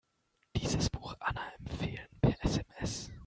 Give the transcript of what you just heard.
Dieses Buch Anna empfehlen, per SMS.